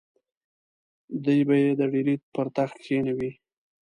دی به یې د ډهلي پر تخت کښېنوي.